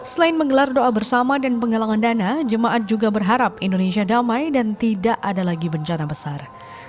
selain menggelar doa bersama dan penggalangan dana jemaat juga berharap indonesia damai dan tidak ada lagi bencana besar